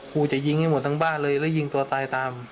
กูจะยิงให้หมดทั้งบ้านเลยแล้วยิงตัวตายตาม